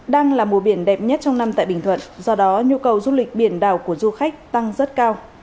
đang là mùa biển đẹp nhất trong năm tại bình thuận do đó nhu cầu du lịch biển đảo của du khách tăng rất cao